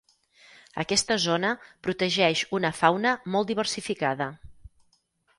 Aquesta zona protegeix una fauna molt diversificada.